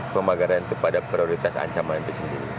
pemagaran itu pada prioritas ancaman itu sendiri